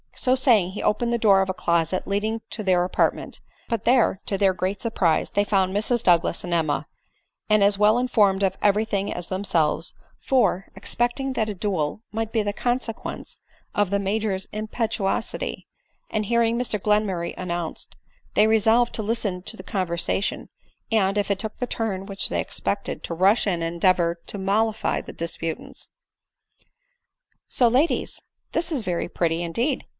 So saying, he opened the door of a closet leading to their apartment ; but there, to their great surprise, they found Mrs Douglas and Emma, and as well informed of every thing as themselves ; for, expecting that a duel might be the consequence of the Major's impetuosity, and hearing Mr Glenmurray an nounced, they resolved to listen to the conversation, and, if it took the turn which they expected, to rush in and endeavor to mollify the disputants. " So, ladies ! this is very pretty, indeed